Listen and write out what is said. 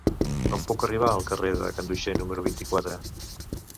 Com puc arribar al carrer de Ganduxer número vint-i-quatre?